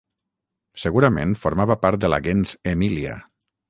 Segurament formava part de la gens Emília.